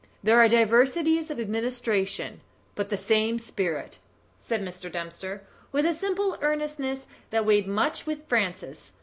There are diversities of administration, but the same spirit," said Mr. Dempster, with a simple earnestness that weighed much with Francis.